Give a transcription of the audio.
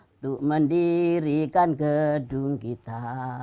untuk mendirikan gedung kita